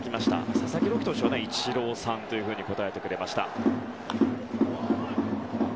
佐々木朗希投手はイチローさんと答えてくれました。